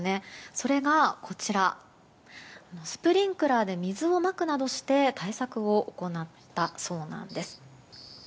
それがスプリンクラーで水をまくなどして対策を行ったそうなんです。